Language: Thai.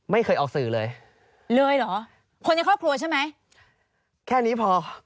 ไม่เคยออกสื่อเลยเลยเหรอคนในครอบครัวใช่ไหมแค่นี้พอ